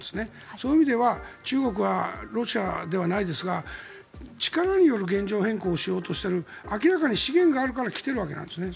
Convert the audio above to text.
そういう意味では中国はロシアではないですが力による現状変更をしようとしている明らかに資源があるから来ているわけですね。